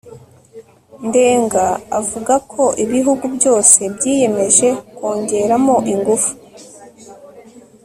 ndenga avuga ko ibihugu byose byiyemeje kongeramo ingufu